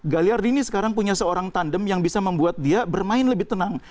galiardini sekarang punya seorang tandem yang bisa membuat dia bermain lebih tenang